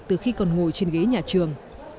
từ khi còn ngồi trên ghế nhà trường